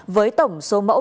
với tổng số mẫu